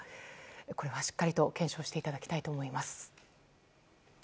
これはしっかりと検証していただきたいと思います。